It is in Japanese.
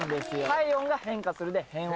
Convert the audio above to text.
「体温が変化する」で変温。